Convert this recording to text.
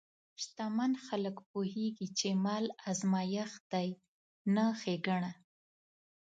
شتمن خلک پوهېږي چې مال ازمېښت دی، نه ښېګڼه.